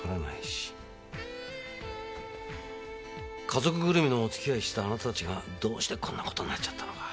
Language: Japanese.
家族ぐるみのお付き合いしてたあなたたちがどうしてこんな事になっちゃったのか。